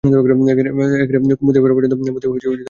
কুমুদ ফেরা পর্যন্ত মতি চুপ করিয়া ঘরে বসিয়া রহিল।